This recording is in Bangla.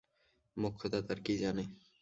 মোক্ষদা তার কী জানে।